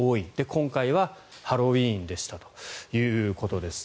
今回はハロウィーンでしたということです。